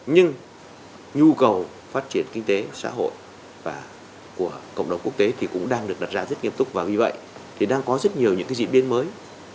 nhưng nhu cầu phát triển kinh tế xã hội và của cộng đồng quốc tế thì cũng đang được đặt ra rất nghiêm túc và vì vậy thì đang có rất nhiều những cái diễn biến mới